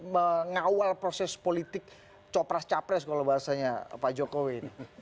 mengawal proses politik copras capres kalau bahasanya pak jokowi